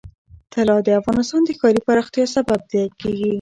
طلا د افغانستان د ښاري پراختیا سبب کېږي.